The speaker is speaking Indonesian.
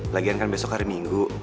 lagian kan besok hari minggu